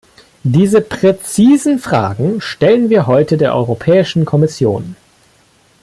Diese präzisen Fragen stellen wir heute der Europäischen Kommission.